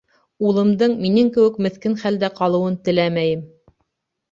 Улымдың минең кеүек меҫкен хәлдә ҡалыуын теләмәйем.